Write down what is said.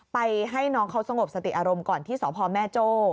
ให้น้องเขาสงบสติอารมณ์ก่อนที่สพแม่โจ้